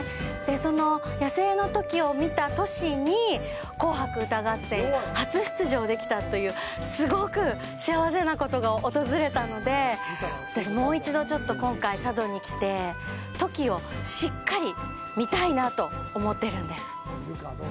その野生のトキを見た年に紅白歌合戦、初出場できたというすごく幸せなことが訪れたので私、もう一度、ちょっと今回佐渡に来て、トキをしっかり見たいなと思っているんです。